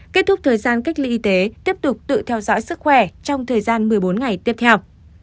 kết thúc thời gian cách ly y tế tiếp tục tự theo dõi sức khỏe trong thời gian một mươi bốn ngày tiếp theo